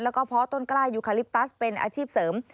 แล้วก็เพาะต้นกล้ายูคาลิปตัสเป็นอาชีพเสริม